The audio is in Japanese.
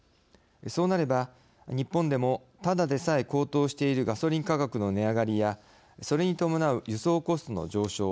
そうなれば日本でもただでさえ高騰しているガソリン価格の値上がりやそれに伴う輸送コストの上昇